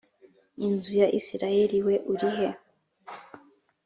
inzu ya isirayeli we urihe